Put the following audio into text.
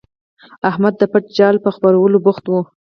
احمد د پټ جال په خپرولو بوخت وو.